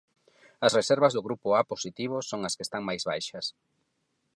As reservas do grupo A positivo son as que están máis baixas.